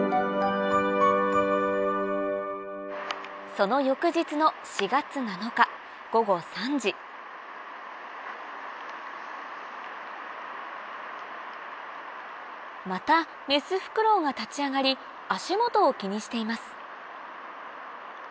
その翌日のまたメスフクロウが立ち上がり足元を気にしています